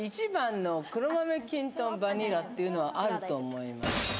１番の黒豆きんとんバニラっていうのはあると思います